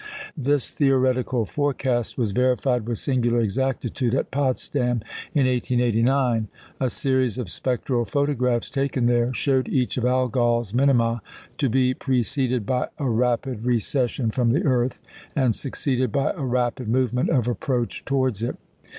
This theoretical forecast was verified with singular exactitude at Potsdam in 1889. A series of spectral photographs taken there showed each of Algol's minima to be preceded by a rapid recession from the earth, and succeeded by a rapid movement of approach towards it.